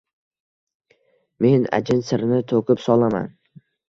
Men ajin sirini to`kib solaman